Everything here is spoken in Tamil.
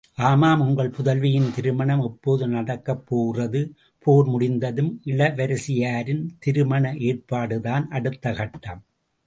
ஆமாம், உங்கள் புதல்வியின் திருமணம் எப்போது நடக்கப் போகிறது?.... போர் முடிந்ததும், இளவரசியாரின் திருமண ஏற்பாடுதான் அடுத்த கட்டம்.